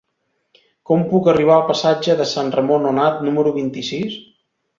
Com puc arribar al passatge de Sant Ramon Nonat número vint-i-sis?